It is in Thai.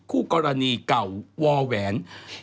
คู่กรณีเก่าวแหวน